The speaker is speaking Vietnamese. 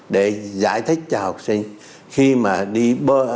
để giải thích cho học sinh khi mà đi bơi